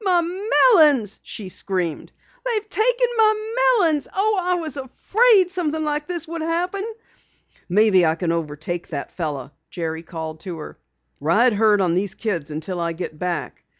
"My melons!" she screamed. "They've taken my melons! Oh, I was afraid something like this would happen!" "Maybe I can overtake that fellow," Jerry called to her. "Ride herd on these kids until I get back!"